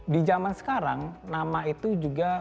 di zaman sekarang nama itu juga